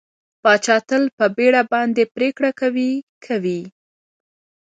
پاچا تل په بېړه باندې پرېکړه کوي کوي.